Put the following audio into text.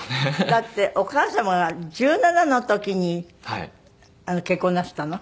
だってお母様が１７の時に結婚なすったの？